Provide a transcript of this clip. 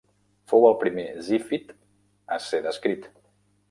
Fou el primer zífid a ser descrit.